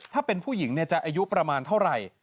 ถ้าเป็นผู้หญิงจะอายุประมาณเท่าไหร่